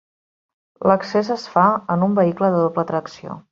L'accés es fa en un vehicle de doble tracció.